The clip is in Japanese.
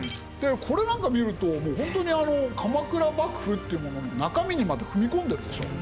これなんか見るとホントに鎌倉幕府っていうものの中身にまで踏み込んでるでしょ。